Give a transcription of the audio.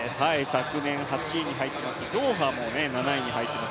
昨年８位に入ってますしドーハも７位に入ってます。